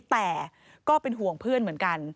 แต่ก็เป็นห่วงเพื่อนเหมือนกัน